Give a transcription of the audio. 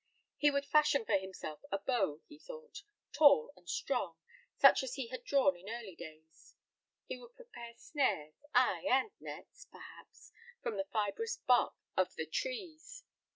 He would fashion for himself a bow, he thought, tall and strong, such as he had drawn in early days; he would prepare snares, ay, and nets, perhaps, from the fibrous bark of the trees.